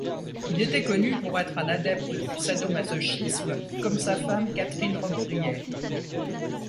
Il était connu pour être un adepte du sado-masochisme, comme sa femme Catherine Robbe-Grillet.